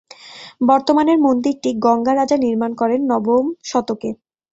বর্তমানের মন্দিরটি গঙ্গা রাজা নির্মাণ করেন নবমশতকে।